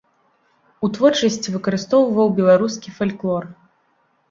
У творчасці выкарыстоўваў беларускі фальклор.